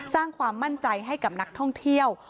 สร้างความมั่นใจให้กับนักท่องเที่ยว